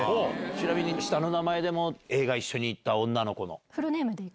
ちなみに下の名前でも映画一緒に行った女の子の。